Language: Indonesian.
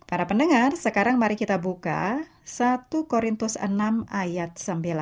para pendengar sekarang mari kita buka satu korintus enam ayat sembilan belas